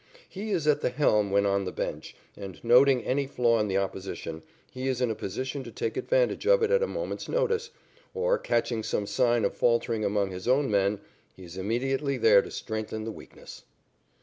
He is at the helm when "on the bench," and, noting any flaw in the opposition, he is in a position to take advantage of it at a moment's notice, or, catching some sign of faltering among his own men, he is immediately there to strengthen the weakness.